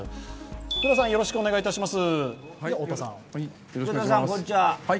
福田さん、よろしくお願いします。